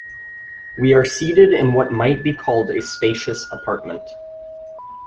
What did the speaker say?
We are seated in what might be called a spacious apartment.